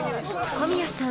［小宮さん